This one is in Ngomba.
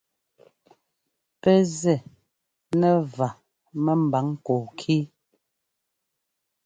Pɛ́ zɛ́ nɛ vǎ mɛ́mbǎŋ kɔɔkí.